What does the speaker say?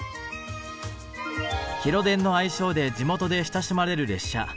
「広電」の愛称で地元で親しまれる列車。